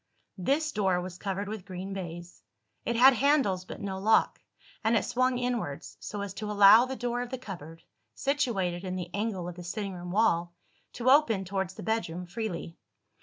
This door was covered with green baize. It had handles but no lock; and it swung inwards, so as to allow the door of the cupboard (situated in the angle of the sitting room wall) to open towards the bedroom freely.